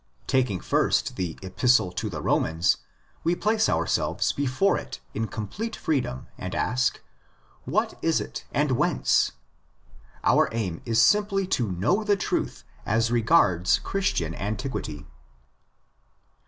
Taking first the Epistle to the Romans, we place ourselves before 10 in complete freedom and ask, What is it, and whence? Our aim is simply to know the truth as regards Christian antiquity.